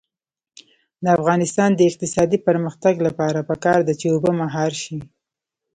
د افغانستان د اقتصادي پرمختګ لپاره پکار ده چې اوبه مهار شي.